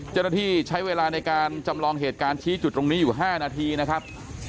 เจ้าหน้าที่ใช้เวลาในการจำลองเหตุการณ์ชี้จุดตรงนี้อยู่๕นาทีนะครับ